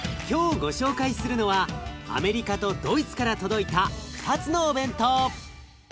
今日ご紹介するのはアメリカとドイツから届いた２つのお弁当！